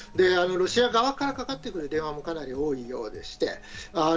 ロシア側からかかってくる電話もかなり多いようです。